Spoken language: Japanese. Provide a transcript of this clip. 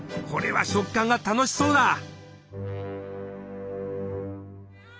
これは食感が楽しそうだ！